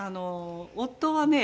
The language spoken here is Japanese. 夫はね